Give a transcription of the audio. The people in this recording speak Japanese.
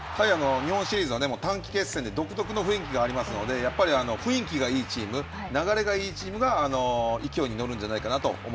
日本シリーズは、短期決戦で、独特の雰囲気がありますので、やっぱり雰囲気がいいチーム、流れがいいチームが、勢いに乗るんじ